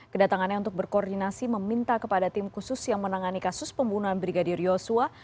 kedatangannya untuk berkoordinasi meminta kepada tim khusus yang menangani kasus pembunuhan brigadir yosua